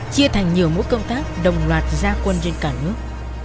chia thành nhiều mối công tác đồng loạt gia quân trên cả nước